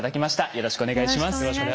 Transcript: よろしくお願いします。